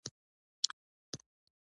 کچالو د خلکو د زړونو ملګری دی